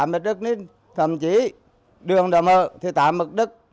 tám mét đất nên thậm chí đường đầm ợ thì tám mét đất